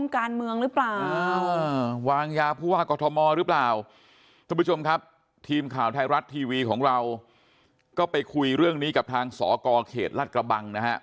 เขาเลยบอกว่าน้ำท่วมการเมืองหรือเปล่าวางยาผู้ว่ากอทมหรือเปล่า